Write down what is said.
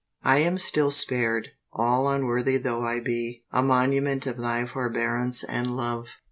I am still spared, all unworthy though I be, a monument of Thy forbearance and love.